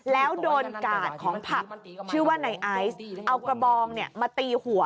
แล้วโดนกาดของผับชื่อว่าในไอซ์เอากระบองมาตีหัว